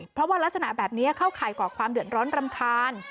เพราะว่ารักษณะแบบนี้เข้าข่ายก่อความเดือดร้อนรำคาญ